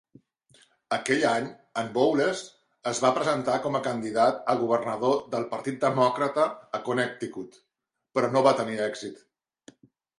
Aquell any en Bowles es va presentar com a candidat a governador del partit Demòcrata a Connecticut, però no va tenir èxit.